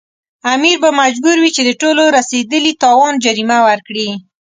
امیر به مجبور وي چې د ټولو رسېدلي تاوان جریمه ورکړي.